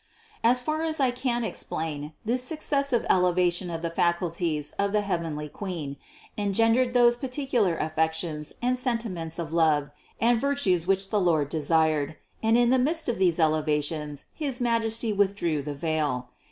734. As far as I can explain, this successive elevation of the faculties of the heavenly Queen engendered those 562 CITY OF GOD particular affections and sentiments of love and virtues which the Lord desired, and in the midst of these eleva tions his Majesty withdrew the veil.